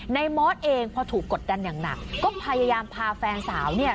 มอสเองพอถูกกดดันอย่างหนักก็พยายามพาแฟนสาวเนี่ย